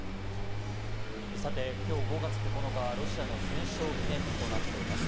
今日５月９日はロシアの戦勝記念日となっています。